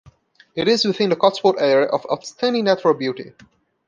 It is within the Cotswolds Area of Outstanding Natural Beauty.